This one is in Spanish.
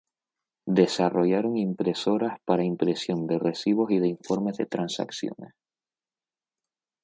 Desarrollaron impresoras para impresión de recibos y de informes de transacciones.